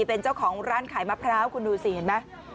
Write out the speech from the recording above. เป็นเจ้าของร้านขายมะพร้าวคุณดูสิเห็นไหม